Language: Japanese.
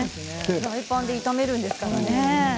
フライパンで炒めるんですからね。